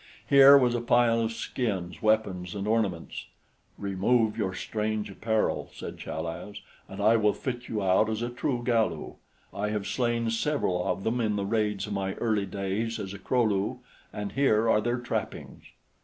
Here was a pile of skins, weapons, and ornaments. "Remove your strange apparel," said Chal az, "and I will fit you out as a true Galu. I have slain several of them in the raids of my early days as a Kro lu, and here are their trappings."